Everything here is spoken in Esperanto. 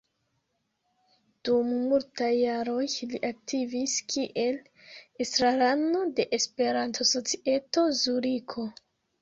Dum multaj jaroj li aktivis kiel estrarano de Esperanto-Societo Zuriko.